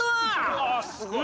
うわすごい。